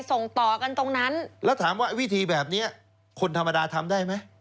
ส่งต่อกันตรงนั้นแล้วถามว่าวิธีแบบนี้คนธรรมดาทำได้ไหม